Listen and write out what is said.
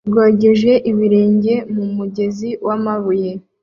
rwogeje ibirenge mu mugezi wamabuye